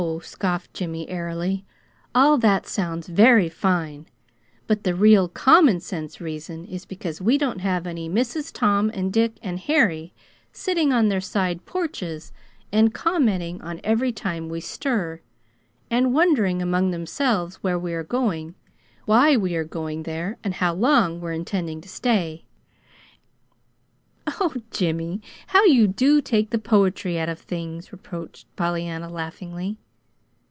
scoffed Jimmy, airily. "All that sounds very fine; but the real common sense reason is because we don't have any Mrs. Tom and Dick and Harry sitting on their side porches and commenting on every time we stir, and wondering among themselves where we are going, why we are going there, and how long we're intending to stay!" "Oh, Jimmy, how you do take the poetry out of things," reproached Pollyanna, laughingly.